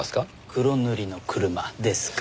黒塗りの車ですか。